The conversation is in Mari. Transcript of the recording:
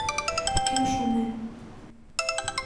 — Кӧ шонен?